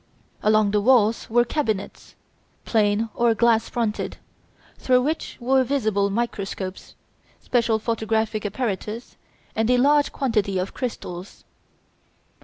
Along the walls were cabinets, plain or glass fronted, through which were visible microscopes, special photographic apparatus, and a large quantity of crystals.